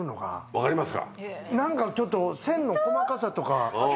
分かります？